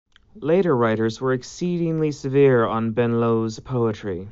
Later writers were exceedingly severe on Benlowes's poetry.